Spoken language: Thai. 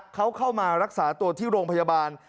เขาเข้ามารักษาตัวที่โรงพยาบาล